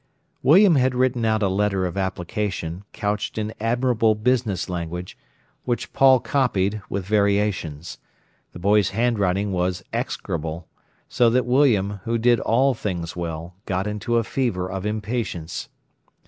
William had written out a letter of application, couched in admirable business language, which Paul copied, with variations. The boy's handwriting was execrable, so that William, who did all things well, got into a fever of impatience.